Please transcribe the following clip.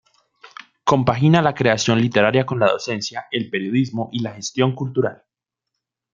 Compagina la creación literaria con la docencia, el periodismo y la gestión cultural.